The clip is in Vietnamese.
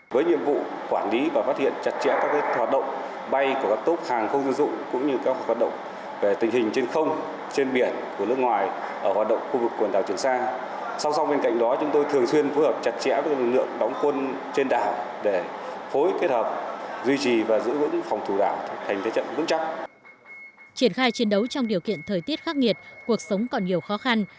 chuyển khai chiến đấu trong điều kiện thời tiết khắc nghiệt cuộc sống còn nhiều khó khăn